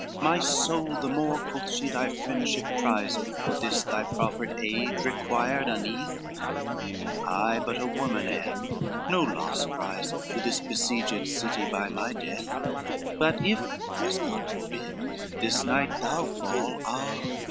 "My soul and more," quoth she, "thy friendship prizeth, For this thy proffered aid required uneath, I but a woman am, no loss ariseth To this besieged city by my death, But if, as God forbid, this night thou fall, Ah!